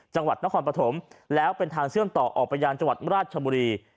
จังหวัดนครปฐมแล้วเป็นทางเชื่อมต่อออกไปยังจังหวัดราชบุรี